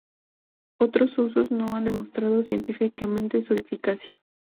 Otros usos no han demostrado científicamente su eficacia.